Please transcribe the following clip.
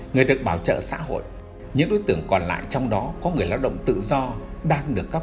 người được bảo trợ xã hội những đối tượng còn lại trong đó có người lao động tự do đang được cấp